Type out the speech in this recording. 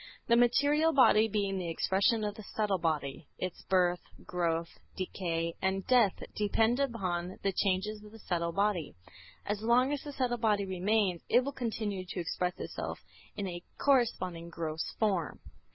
The material body being the expression of the subtle body, its birth, growth, decay and death depend upon the changes of the subtle body. As long as the subtle body remains, it will continue to express itself in a corresponding gross form.